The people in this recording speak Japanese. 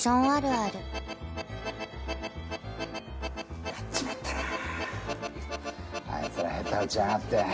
あいつら下手打ちやがって。